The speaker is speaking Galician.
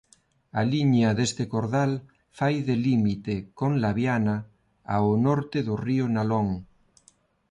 A liña deste cordal fai de límite con Laviana ao Norte do río Nalón.